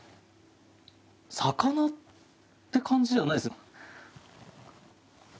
魚って感じじゃないですね。